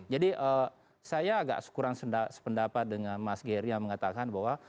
jadi saya agak sekurang sependapat dengan mas gery yang mengatakan bahwa